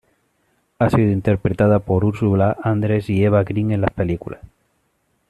Ha sido interpretada por Ursula Andress y Eva Green en las películas.